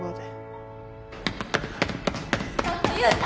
ちょっと佑太！